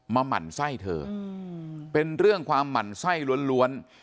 หมั่นไส้เธอเป็นเรื่องความหมั่นไส้ล้วน